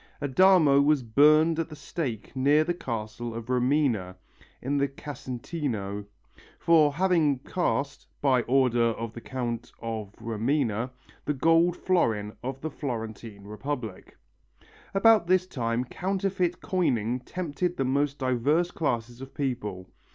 Adamo was burned at the stake near the castle of Romena in the Casentino, for having cast, by order of the Count of Romena, the golden florin of the Florentine Republic. About this time counterfeit coining tempted the most diverse classes of people.